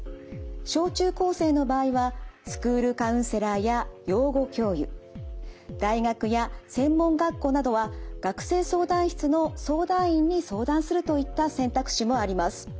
小中高生の場合はスクールカウンセラーや養護教諭大学や専門学校などは学生相談室の相談員に相談するといった選択肢もあります。